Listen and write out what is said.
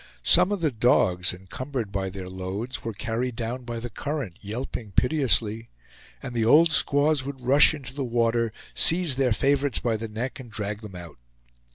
Some of the dogs, encumbered by their loads, were carried down by the current, yelping piteously; and the old squaws would rush into the water, seize their favorites by the neck, and drag them out.